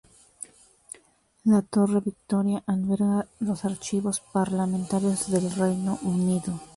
La torre Victoria alberga los archivos parlamentarios del Reino Unido.